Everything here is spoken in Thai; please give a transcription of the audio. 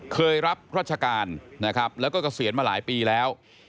รับราชการนะครับแล้วก็เกษียณมาหลายปีแล้ว